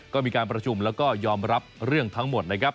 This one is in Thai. ก็มีการประชุมแล้วก็ยอมรับเรื่องทั้งหมดนะครับ